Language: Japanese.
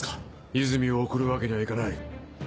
和泉を送るわけにはいかない。